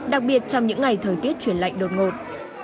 đặc biệt trong những ngày thời tiết chuyển lạnh đột ngột